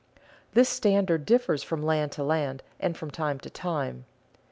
This standard differs from land to land, and from time to time.